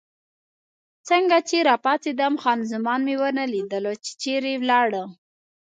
څنګه چې راپاڅېدم، خان زمان مې ونه لیدله، چې چېرې ولاړه.